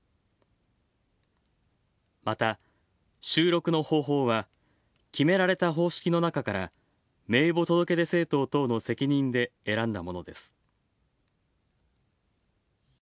また、収録の方法は決められた方式の中から名簿届出政党等の責任で選んだものです。